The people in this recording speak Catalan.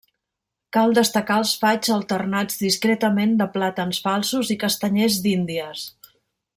Cal destacar els faigs alternats discretament de plàtans falsos i castanyers d'índies.